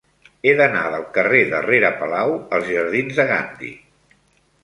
He d'anar del carrer de Rere Palau als jardins de Gandhi.